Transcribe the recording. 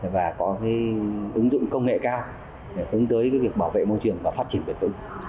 và có ứng dụng công nghệ cao để hướng tới việc bảo vệ môi trường và phát triển bền vững